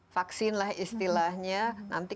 vaksin lah istilahnya nanti